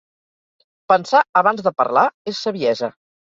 Pensar abans de parlar és saviesa.